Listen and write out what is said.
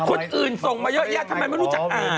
คนอื่นส่งมาเยอะทำไมไม่รู้จักอ่าน